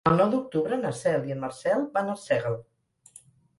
El nou d'octubre na Cel i en Marcel van a Arsèguel.